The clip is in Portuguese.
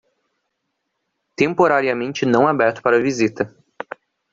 Temporariamente não aberto para visita